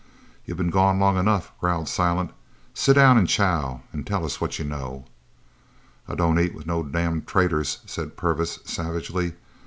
"You been gone long enough," growled Silent. "Sit down an' chow an' tell us what you know." "I don't eat with no damned traitors," said Purvis savagely.